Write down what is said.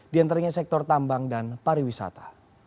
di antaranya sektor tambang dan pariwisata